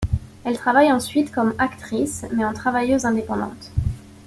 Elle travaille ensuite comme actrice, mais en travailleuse indépendante.